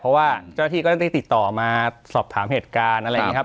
เพราะว่าเจ้าที่ก็จะได้ติดต่อมาสอบถามเหตุการณ์อะไรอย่างนี้ครับ